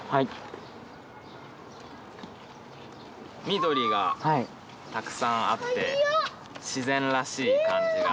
緑がたくさんあって自然らしい感じが。